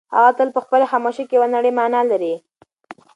هغه تل په خپلې خاموشۍ کې یوه نړۍ مانا لري.